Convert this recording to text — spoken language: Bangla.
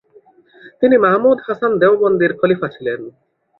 তিনি মাহমুদ হাসান দেওবন্দির খলিফা ছিলেন।